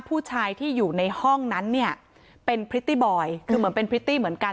ผู้ชายที่อยู่ในห้องนั้นเนี้ยเป็นคือเหมือนเป็นเหมือนกัน